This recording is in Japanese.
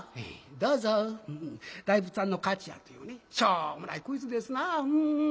大仏さんの勝ちやというねしょうもないクイズですなうん。